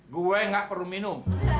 gue nggak perlu minum